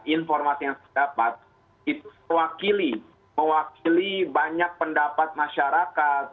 informasi yang saya dapat itu mewakili banyak pendapat masyarakat